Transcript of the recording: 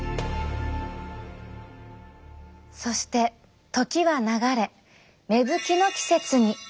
そして時は流れ芽吹きの季節に。